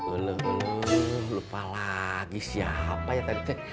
ulu ulu lupa lagi siapa ya tadi